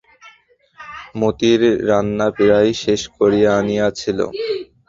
মতি রান্না প্রায় শেষ করিয়া আনিয়াছিল।